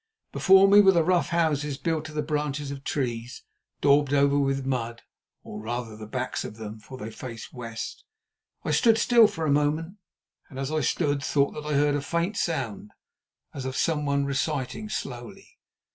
Before me were the rough houses built of the branches of trees, daubed over with mud, or rather the backs of them, for they faced west. I stood still for a moment, and as I stood thought that I heard a faint sound as of someone reciting slowly.